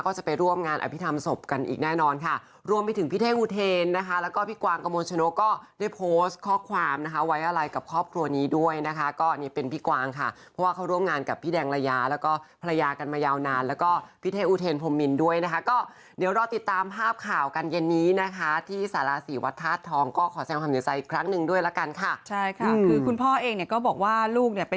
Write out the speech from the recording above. ก็จะไปร่วมงานอภิษภาพภาพภาพภาพภาพภาพภาพภาพภาพภาพภาพภาพภาพภาพภาพภาพภาพภาพภาพภาพภาพภาพภาพภาพภาพภาพภาพภาพภาพภาพภาพภาพภาพภาพภาพภาพภาพภาพภาพภาพภาพภาพภาพภาพภาพภาพภาพภาพภาพภาพภาพ